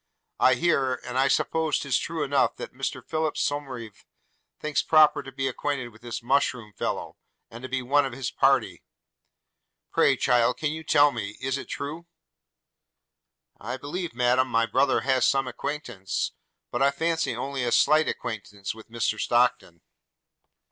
I hear, and I suppose 'tis true enough, that Mr Philip Somerive thinks proper to be acquainted with this mushroom fellow – and to be one of his party! – Pray, child, can you tell me – is it true?' 'I believe, madam, my brother has some acquaintance, but I fancy only a slight acquaintance, with Mr Stockton.'